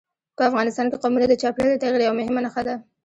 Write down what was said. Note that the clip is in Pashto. په افغانستان کې قومونه د چاپېریال د تغیر یوه مهمه نښه ده.